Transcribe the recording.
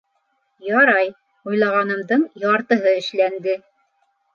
— Ярай, уйлағанымдың яртыһы эшләнде!